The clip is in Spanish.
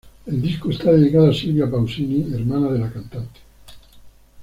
El disco está dedicado a Silvia Pausini, hermana de la cantante.